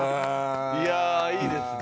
いやいいですね。